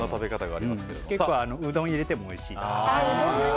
結構うどんを入れてもおいしいかと。